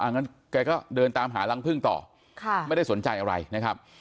งั้นแกก็เดินตามหารังพึ่งต่อไม่ได้สนใจอะไรนะครับ